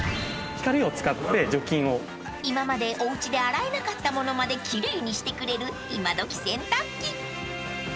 光を使って除菌を。［今までおうちで洗えなかったものまで奇麗にしてくれる今どき洗濯機］